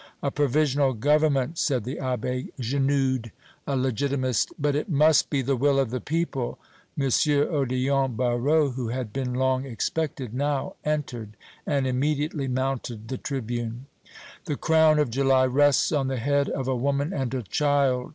"A provisional government," said the Abbé Genoude, a Legitimist; "but it must be the will of the people!" M. Odillon Barrot, who had been long expected, now entered and immediately mounted the tribune. "The crown of July rests on the head of a woman and a child!"